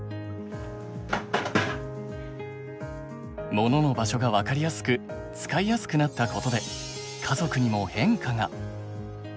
モノの場所が分かりやすく使いやすくなったことで家族にも変化が。